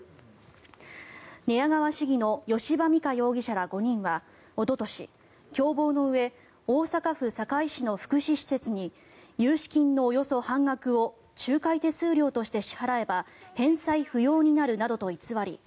寝屋川市議の吉羽美華容疑者ら５人はおととし、共謀のうえ大阪府堺市の福祉施設に融資金のおよそ半額を仲介手数料として支払えば返済不要になるなどと偽り